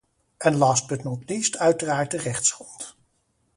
En last but not least uiteraard de rechtsgrond.